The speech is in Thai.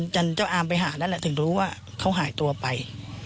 จนเจ้าอามไปหานั่นแหละถึงรู้ว่าเขาหายตัวไป